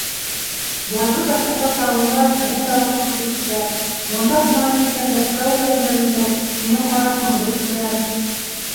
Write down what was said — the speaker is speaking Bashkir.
Яҙғы ташҡындар шауында һинең тауышыңды ишетәм, морнап ҡына килгән бәпкә үләндәрендә һинең ҡарашыңды күрәм.